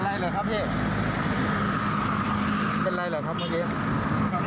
อะไรเหรอครับเฮ่ยเป็นอะไรเหรอครับเมื่อกี้